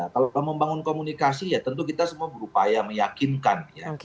kalau membangun komunikasi ya tentu kita semua berupaya meyakinkan ya